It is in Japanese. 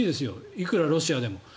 いくらロシアでも。